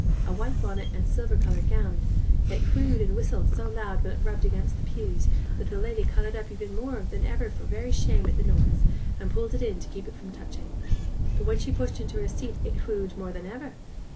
'A white bonnet and a silver coloured gownd. It whewed and whistled so loud when it rubbed against the pews that the lady coloured up more than ever for very shame at the noise, and pulled it in to keep it from touching; but when she pushed into her seat, it whewed more than ever.